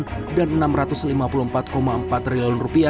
berupa penanaman modal yang mencapai rp satu dua ratus tujuh dua triliun